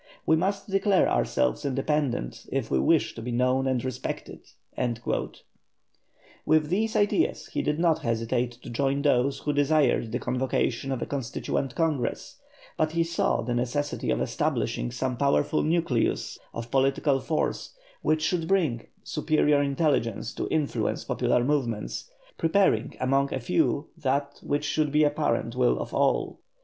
We must declare ourselves independent if we wish to be known and respected." With these ideas he did not hesitate to join those who desired the convocation of a Constituent Congress, but he saw the necessity of establishing some powerful nucleus of political force which should bring superior intelligence to influence popular movements, preparing among a few that which should be the apparent will of all.